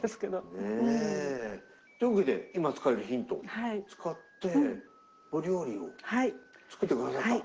ねえというわけで今使えるヒントを使ってお料理を作って下さった。